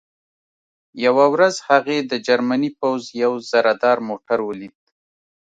یوه ورځ هغې د جرمني پوځ یو زرهدار موټر ولید